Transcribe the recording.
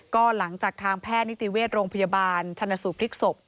ก็หลังจากทางแพทย์นิติเวชโรงพยาบาลชนสูตรพลิกศพ